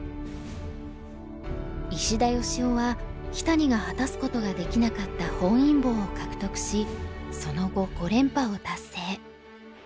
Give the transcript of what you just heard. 石田芳夫は木谷が果たすことができなかった本因坊を獲得しその後五連覇を達成。